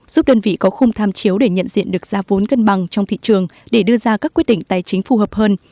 giúp đơn vị có khung tham chiếu để nhận diện được ra vốn cân bằng trong thị trường để đưa ra các quyết định tài chính phù hợp hơn